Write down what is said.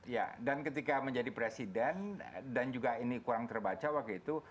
ya dan ketika menjadi presiden dan juga ini kurang terbaca waktu itu